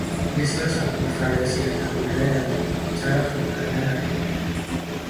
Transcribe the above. Gestur sangat bervariasi antar budaya dalam cara penggunaan dan artinya.